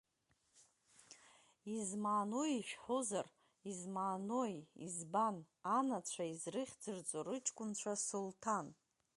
Измаанои, ишәҳәозар, измаанои избан, анацәа изрыхьӡырҵо рыҷкәынцәа Сулҭан?